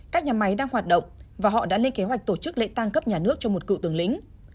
các nhà máy đang hoạt động và họ đã lên kế hoạch tổ chức lễ tăng cấp nhà nước cho một cựu tướng lĩnh